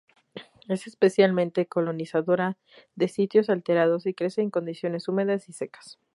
Es especialmente colonizadora de sitios alterados y crece en condiciones húmedas y secas.